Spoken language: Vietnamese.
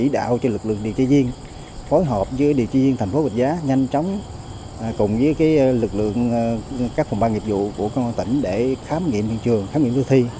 đạo cho lực lượng điều trị viên phối hợp với điều trị viên tp hcm nhanh chóng cùng với lực lượng các phòng ban nghiệp vụ của công an tp hcm để khám nghiệm hình trường khám nghiệm tử thi